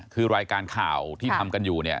คือรายการข่าวที่ทำกันอยู่เนี่ย